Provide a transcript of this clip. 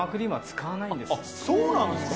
使わないんです。